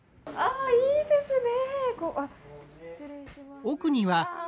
あいいですね。